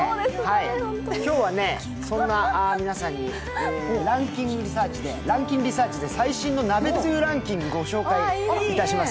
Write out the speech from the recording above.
今日はそんな皆さんに「ランキンリサーチ」で最新の鍋つゆランキングをご紹介いたします。